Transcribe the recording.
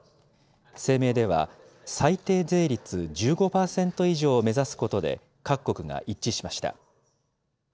声明では、最低税率１５％以上を目指すことで、各国が一致しました。